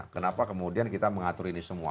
kenapa kemudian kita mengatur ini semua